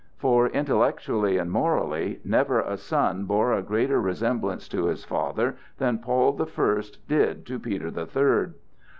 For, intellectually and morally, never a son bore a greater resemblance to his father than Paul the First did to Peter the Third.